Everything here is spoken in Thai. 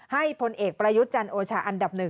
ให้ผลเอกประยุจจันโอชาอันดับ๑